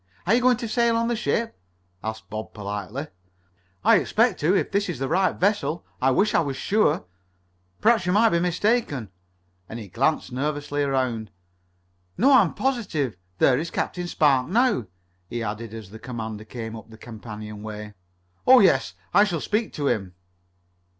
Are you going to sail on the ship?" asked Bob politely. "I expect to, if this is the right vessel. I wish I was sure. Perhaps you might be mistaken," and he glanced nervously around. "No, I am positive. There is Captain Spark now," he added as the commander came up a companionway. "Oh, yes. I shall speak to him."